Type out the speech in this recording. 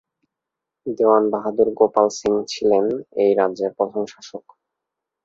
দেওয়ান বাহাদুর গোপাল সিং ছিলেন এই রাজ্যের প্রথম শাসক।